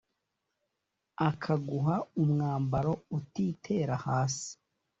Akaguha umwambaro utitera hasi